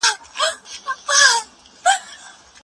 که په دقت وګورې نو هوښیار یې.